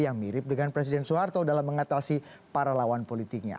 yang mirip dengan presiden soeharto dalam mengatasi para lawan politiknya